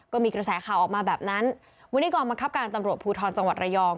ก็มีกระแสข่าวออกมาแบบนั้นวันนี้กองบังคับการตำรวจภูทรจังหวัดระยอง